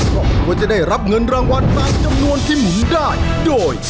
ครอบครัวจะได้รับเงินรางวัลตามจำนวนที่หมุนได้โดย